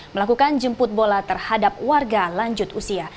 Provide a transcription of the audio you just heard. melakukan jemput bola terhadap warga lanjut usia